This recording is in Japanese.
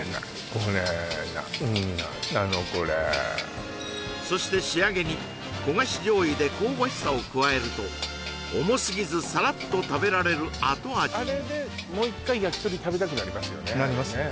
これ何なのこれそして仕上げに焦がし醤油で香ばしさを加えると重すぎずさらっと食べられる後味にあれでもう一回やきとり食べたくなりますよねなりますね